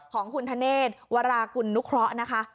ของคุณธเนธวรากุลนุเคราะห์นะคะ